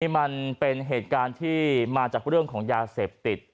มันเป็นเหตุการณ์ที่มาจากเรื่องของยาเสพติด